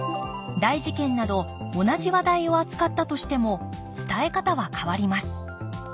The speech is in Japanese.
大事件など同じ話題を扱ったとしても伝え方は変わります